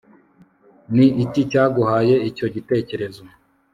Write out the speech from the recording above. ni iki cyaguhaye icyo gitekerezo